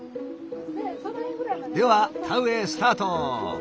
では田植えスタート！